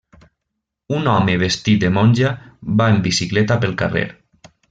Un home vestit de monja va en bicicleta pel carrer.